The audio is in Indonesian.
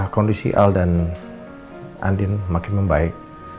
kondisi al dan andin makin membaik